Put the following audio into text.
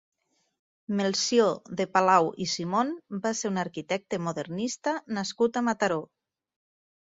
Melcior de Palau i Simón va ser un arquitecte modernista nascut a Mataró.